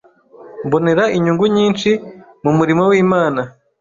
Mbonera inyungu nyinshi mu murimo w’Imana.